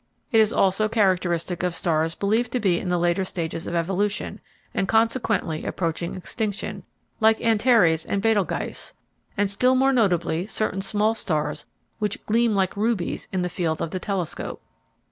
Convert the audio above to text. It is also characteristic of stars believed to be in the later stages of evolution, and consequently approaching extinction, like Antares and Betelgeuse, and still more notably certain small stars which "gleam like rubies in the field of the telescope."